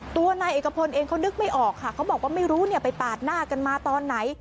ตัวนายเอกพลเองเขานึกไม่ออกค่ะเขาบอกว่าไม่รู้เนี่ยไปปาดหน้ากันมาตอนไหน